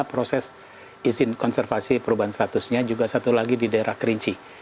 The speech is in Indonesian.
proses izin konservasi perubahan statusnya juga satu lagi di daerah kerinci